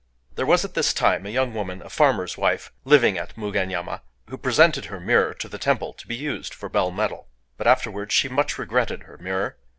] There was at that time a young woman, a farmer's wife, living at Mugenyama, who presented her mirror to the temple, to be used for bell metal. But afterwards she much regretted her mirror.